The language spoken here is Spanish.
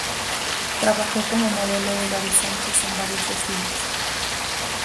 Trabajó como modelo de Gaby Sánchez en varios desfiles.